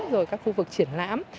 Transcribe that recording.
rồi các khu vực triển lãm